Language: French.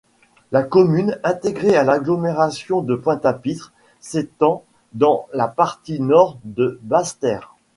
La commune, intégrée à l'agglomération de Pointe-à-Pitre, s'étend dans la partie nord de Basse-Terre.